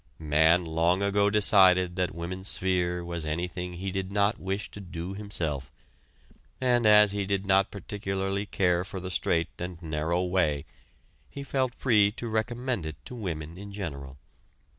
Man long ago decided that woman's sphere was anything he did not wish to do himself, and as he did not particularly care for the straight and narrow way, he felt free to recommend it to women in general.